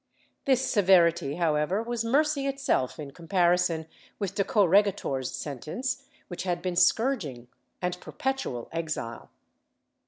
This severity, however, was mercy itself in comparison with the corregidor's sentence, which had been scourging and per petual exile.